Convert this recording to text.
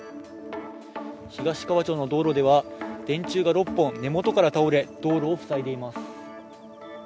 東川町の道路では、電柱が６本、根元から倒れ、道路を塞いでいます。